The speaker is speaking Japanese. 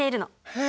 へえ！